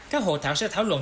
các hộ thảo sẽ thảo luận